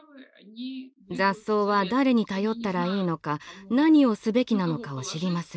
雑草は誰に頼ったらいいのか何をすべきなのかを知りません。